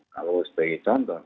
kalau sebagai contoh